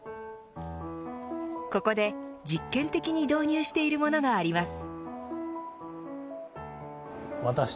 ここで実験的に導入しているものがあります。